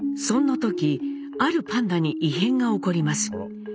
そんな時あるパンダに異変が起こります。